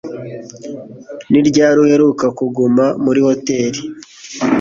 Ni ryari uheruka kuguma muri hoteri